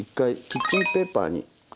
キッチンペーパーに。